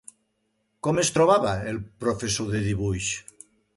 Com es trobava el professor de dibuix?